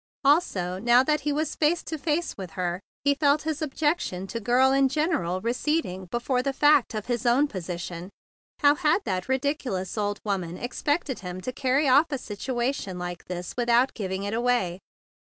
Also, now he was face to face with her, he felt his objection to Girl in general receding before the fact of his own position. How had that ridiculous old woman ex¬ pected him to carry off a situation like this without giving it away?